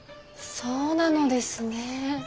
そうなのですね。